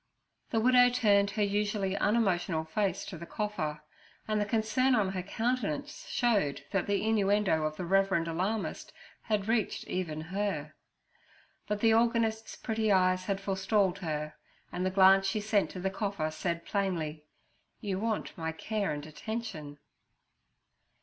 The widow turned her usually unemotional face to the cougher, and the concern on her countenance showed that the innuendo of the reverend alarmist had reached even her. But the organist's pretty eyes had forestalled her, and the glance she sent to the cougher said plainly: 'You want my care and attention.'